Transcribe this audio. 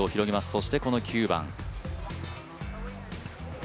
そしてこの９番。